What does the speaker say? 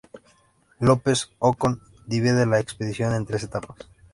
López-Ocón divide la expedición en tres etapas.